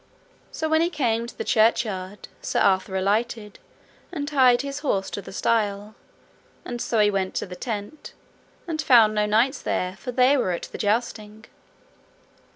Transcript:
So when he came to the churchyard, Sir Arthur alighted and tied his horse to the stile, and so he went to the tent, and found no knights there, for they were at the jousting.